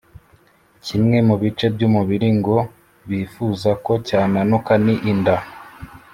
Kimwe mu bice by’umubiri ngo bifuza ko cyananuka ni inda